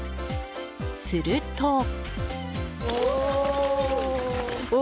すると。